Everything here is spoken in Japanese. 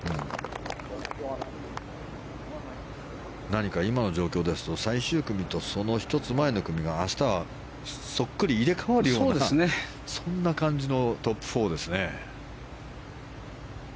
何か今の状況ですと最終組とその１つ前の組が明日はそっくり入れ替わるようなそんな感じのトップ４ですね。